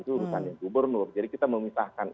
itu urusan yang gubernur jadi kita memisahkan